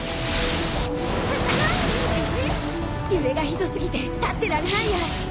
揺れがひど過ぎて立ってられないや。